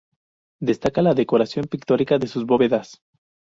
Destaca la decoración pictórica de sus bóvedas.